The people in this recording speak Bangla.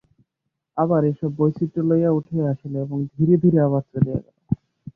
আবার এইসব বৈচিত্র্য লইয়া উঠিয়া আসিল, এবং ধীরে ধীরে আবার চলিয়া গেল।